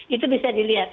itu bisa dilihat